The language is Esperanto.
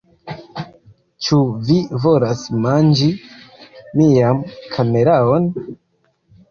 Cxu vi volas manĝi mian kameraon?